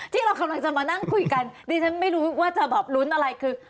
ที่เรากำลังจะมานั่งคุยกันดิฉันไม่รู้ว่าจะแบบลุ้นอะไรคือ